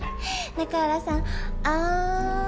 中原さんあん。